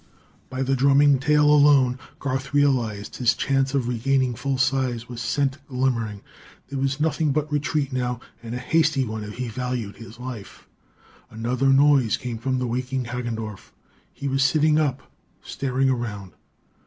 By the drumming tail alone, Garth realized, his chance of regaining full size was sent glimmering. There was nothing but retreat, now, and a hasty one, if he valued life. Another noise came from the waking Hagendorff. He was sitting up, staring around.